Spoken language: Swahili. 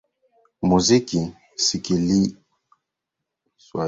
muziki sikilija rfi kiswahili